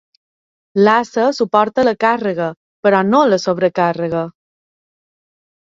L'ase suporta la càrrega, però no la sobrecàrrega.